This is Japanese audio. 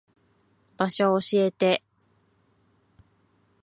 場所教えて。